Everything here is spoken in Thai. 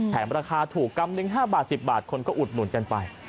ราคาถูกกรัมหนึ่ง๕บาท๑๐บาทคนก็อุดหนุนกันไป